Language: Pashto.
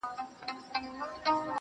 ښكلو ته كاته اكثر.